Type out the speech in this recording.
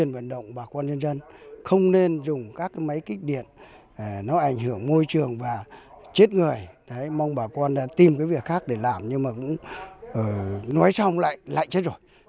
mong bà con tìm việc khác để làm nhưng nói xong lại chết rồi